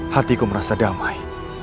hatiku merasa damai